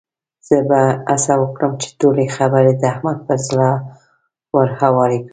زه به هڅه وکړم چې ټولې خبرې د احمد پر زړه ورهوارې کړم.